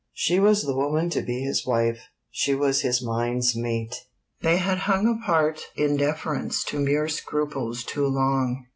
She was the woman to be his wife; she was his mind's mate: they had hung apart in deference to mere scruples too long.